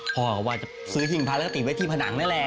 พ่อออกมาจะซื้อหิ่งพันธุ์แล้วติ้งไว้ที่ผนังนั่นแล้ว